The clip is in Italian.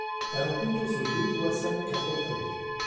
Era un punto sul Great Western Cattle Trail.